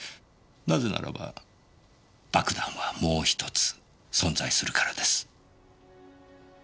なぜならば爆弾はもう１つ存在するからです。